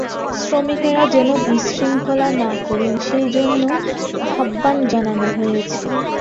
শ্রমিকেরা যেন বিশৃঙ্খলা না করেন, সে জন্য আহ্বান জানানো হয়েছে।